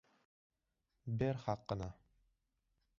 Ber haqini!